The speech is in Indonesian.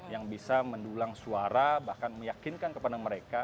yang bisa mendulang suara bahkan meyakinkan kepada mereka